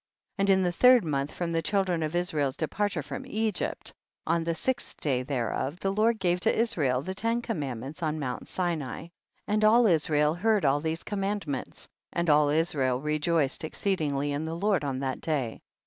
6. And in the third month from the children of Israel's departure from Egypt, on the sixth day thereof, the Lord gave to Israel the ten com mandments on mount Sinai. 7. And all Israel heard all these commandments, and all Israel rejoiced exceedingly in the Lord on that day.